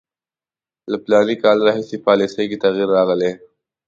له فلاني کال راهیسې پالیسي کې تغییر راغلی.